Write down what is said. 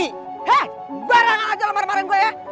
hei barang barang aja lemar marin gue ya